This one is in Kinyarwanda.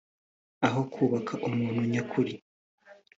aho kubaka umuntu nyakuri